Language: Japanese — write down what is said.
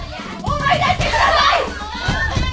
思い出してください！